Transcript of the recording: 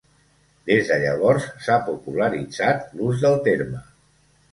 Des de llavors s'ha popularitzat l'ús del terme.